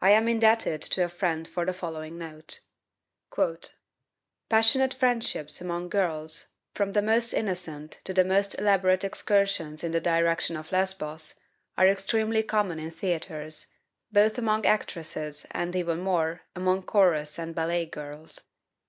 I am indebted to a friend for the following note: "Passionate friendships among girls, from the most innocent to the most elaborate excursions in the direction of Lesbos, are extremely common in theaters, both among actresses and, even more, among chorus and ballet girls.